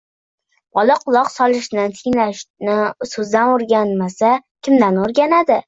Bola quloq solishni, tinglashni sizdan o‘rganmasa kimdan o‘rganadi?